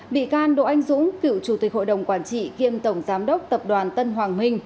bị can đỗ anh dũng cựu chủ tịch hội đồng quản trị kiêm tổng giám đốc tập đoàn tân hoàng minh